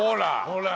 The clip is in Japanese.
ほら。